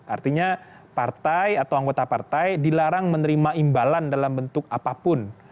artinya partai atau anggota partai dilarang menerima imbalan dalam bentuk apapun